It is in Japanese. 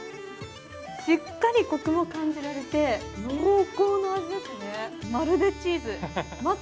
しっかりコクも感じられて、濃厚な味ですね。